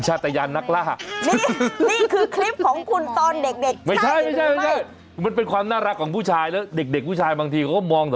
เขาเรียกว่าสัญชาติยานสัญชาติยาน